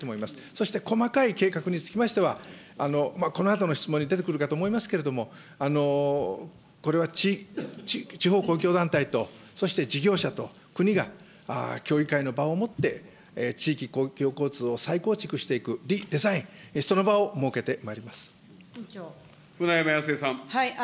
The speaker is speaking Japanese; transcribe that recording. そして細かい計画につきましては、このあとの質問に出てくるかと思いますけれども、これは地方公共団体と、そして事業者と国が、協議会の場をもって、地域公共交通を再構築していくリデザイン、舟山康江さん。